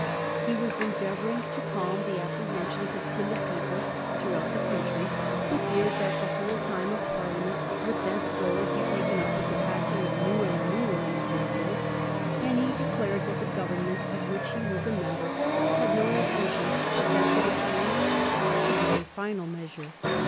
He was endeavoring to calm the apprehensions of timid people throughout the country who feared that the whole time of Parliament would thenceforward be taken up with the passing of new and newer Reform Bills, and he declared that the Government of which he was a member had no intention but that the Reform Act should be a final measure.